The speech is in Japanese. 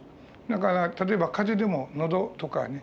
だから例えば風邪でも喉とかね